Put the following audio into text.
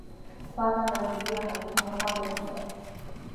发现了与月海不同的化学成分。